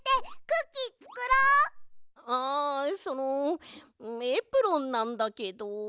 あそのエプロンなんだけど。